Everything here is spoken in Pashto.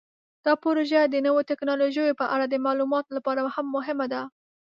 دا پروژه د نوو تکنالوژیو په اړه د معلوماتو لپاره هم مهمه ده.